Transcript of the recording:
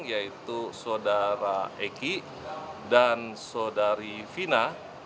yaitu saudara eki dan saudari fina